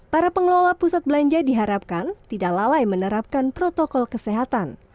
para pengelola pusat belanja diharapkan tidak lalai menerapkan protokol kesehatan